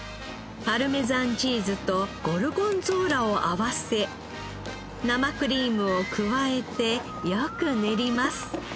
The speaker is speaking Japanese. パルメザンチーズとゴルゴンゾーラを合わせ生クリームを加えてよく練ります。